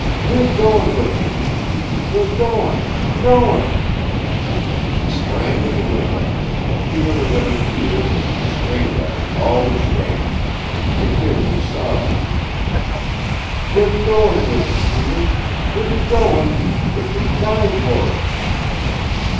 We're goin' with him. We're goin' goin' " She sprang to the window, and Peter was at her heels as she strained at it with all her strength, and he could hear her sobbing: "We're goin' with him, Peter. We're goin' if we die for it!"